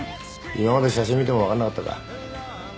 今まで写真見ても分かんなかったか？